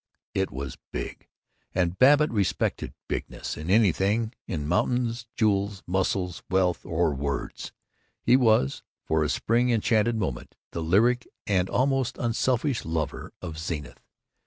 It was big and Babbitt respected bigness in anything; in mountains, jewels, muscles, wealth, or words. He was, for a spring enchanted moment, the lyric and almost unselfish lover of Zenith.